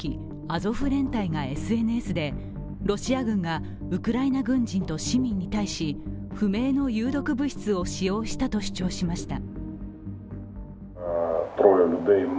アゾフ連隊がＳＮＳで、ロシア軍がウクライナ軍人と市民に対し不明の有毒物質を使用したと主張しました。